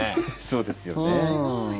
そうですよね。